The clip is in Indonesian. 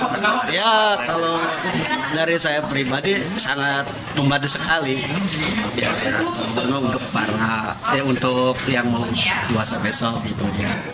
ya untuk yang mau puasa besok gitu